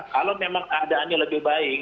kalau memang keadaannya lebih baik